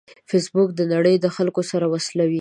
فېسبوک د نړۍ د خلکو سره وصلوي